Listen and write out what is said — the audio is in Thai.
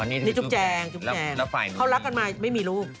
นี่จุ๊บแจงเขารักกันมาไม่มีรู้